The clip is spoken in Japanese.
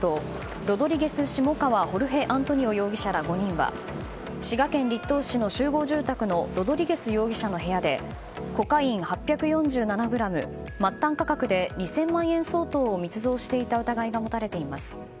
ロドリゲス・シモカワ・ホルヘ・アントニオ容疑者ら５人は滋賀県栗東市の集合住宅のロドリゲス容疑者の部屋でコカイン８４７ｇ末端価格で２０００万円相当を密造していた疑いが持たれています。